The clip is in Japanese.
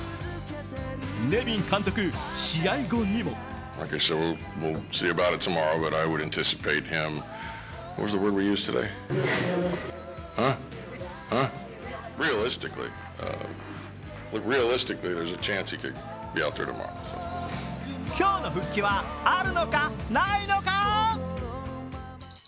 ネビン監督、試合後にも今日の復帰はあるのか、ないのか？